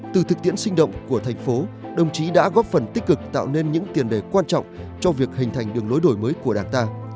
từ thực tiễn sinh động của thành phố đồng chí đã góp phần tích cực tạo nên những tiền đề quan trọng cho việc hình thành đường lối đổi mới của đảng ta